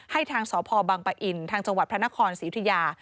ให้ทางสพปะอินทางจพนครศิริยา